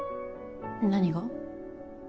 何が？